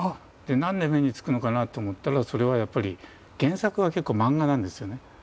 何で目につくのかなと思ったらそれはやっぱり原作が結構漫画なんですよね。